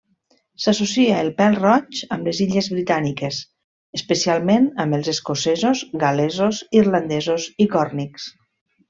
S'associa el pèl-roig amb les Illes Britàniques, especialment amb els escocesos, gal·lesos, irlandesos i còrnics.